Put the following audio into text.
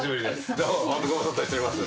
どうも、ご無沙汰しております。